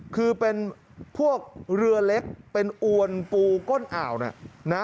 คือเป็นพวกเรือเล็กเป็นอวนปูก้นอ่าวนะ